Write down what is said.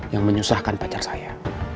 yang menyusahkan pacar saya